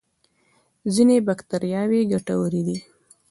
ځینې بکتریاوې ګټورې دي